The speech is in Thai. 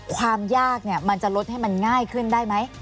ความยากมันจะลดให้มันง่ายขึ้นได้ไหม